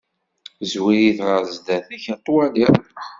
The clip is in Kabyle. Zwir-it ɣer zdat-k ad t-twalliḍ.